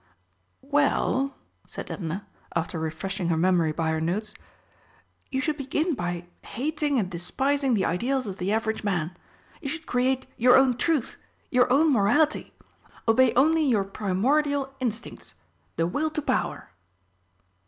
"Well," said Edna, after refreshing her memory by her notes, "you should begin by 'hating and despising the ideals of the average man'! You should create your own Truth your own Morality. Obey only your primordial instincts the Will to Power."